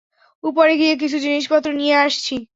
উপরে গিয়ে কিছু জিনিসপত্র নিয়ে আসছি।